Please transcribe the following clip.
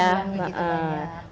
belum begitu banyak